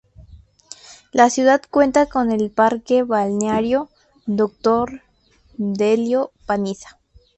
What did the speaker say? La ciudad cuenta con el parque balneario "Doctor Delio Panizza".